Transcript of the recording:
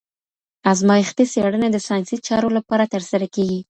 ازمایښتي څېړنه د ساینسي چارو لپاره ترسره کيږي.